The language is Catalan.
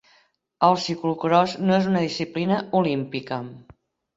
El ciclocròs no és una disciplina olímpica.